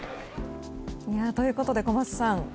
ということで、小松さん